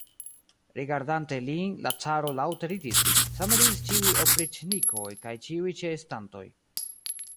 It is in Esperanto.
Rigardante lin, la caro laŭte ridis, same ridis ĉiuj opriĉnikoj kaj ĉiuj ĉeestantoj.